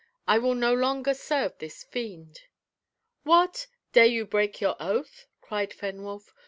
I will no longer serve this fiend." "What! dare you break your oath?" cried Fenwolf.